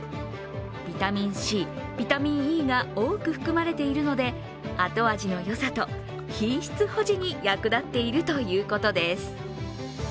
ビタミンＣ、ビタミンＥが多く含まれているのであと味のよさと品質保持に役立っているということです。